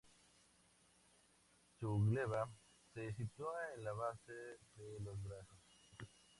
Su gleba se sitúa en la base de los brazos.